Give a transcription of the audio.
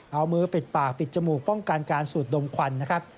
เอามือปิดปากปิดจมูกป้องกันการสูดดมควันนะครับ